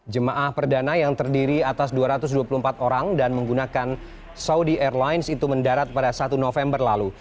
jemaah perdana yang terdiri atas dua ratus dua puluh empat orang dan menggunakan saudi airlines itu mendarat pada satu november lalu